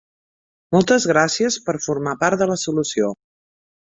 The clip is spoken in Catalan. Moltes gràcies per formar part de la solució!